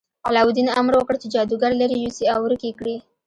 علاوالدین امر وکړ چې جادوګر لرې یوسي او ورک یې کړي.